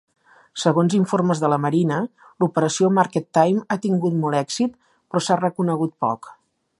Segons informes de la Marina, l'operació Market Time ha tingut molt èxit, però s'ha reconegut poc.